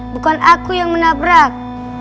bukan aku yang menabrak